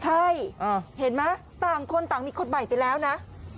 ใช่เห็นไหมต่างคนต่างมีคนใหม่ไปแล้วนะ